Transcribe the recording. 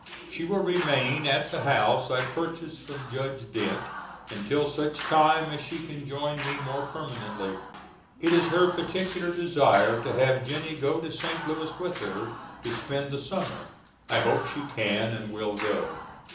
She will remain at the house I purchased from Judge Dent until such time as she can join me more permanently. It is her particular desire to have Jennie go to St. Louis with her to spend the summer. I hope she can and will go.